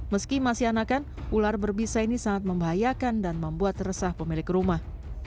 meski masih anakan ular berbisa ini sangat membahayakan dan membuat resah pemilik rumah